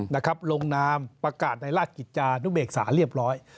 นะครับลงนามประกาศในราชกิจจานุเบกษาเรียบร้อย